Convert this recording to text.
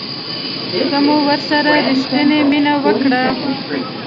که مو ورسره ریښتینې مینه وکړه